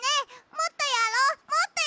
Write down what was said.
もっとやろ！